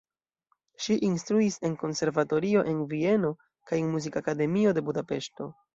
Ŝi instruis en konservatorio en Vieno kaj en Muzikakademio de Budapeŝto.